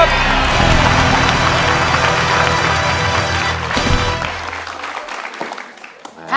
ไม่ใช่ค่ะ